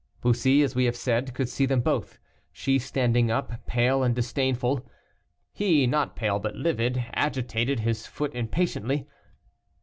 Bussy, as we have said, could see them both; she, standing up, pale and disdainful. He, not pale, but livid, agitated his foot impatiently.